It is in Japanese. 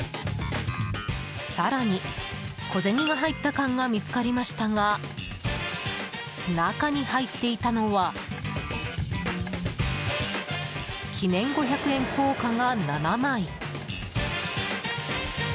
更に小銭が入った缶が見つかりましたが中に入っていたのは記念五百円硬貨が７枚。